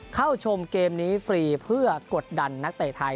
เข้าชมเกมนี้ฟรีเพื่อกดดันนักเตะไทย